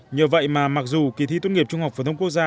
nhờ vậy mà mặc dù kỳ thi tốt nghiệp trung học phổ thông quốc gia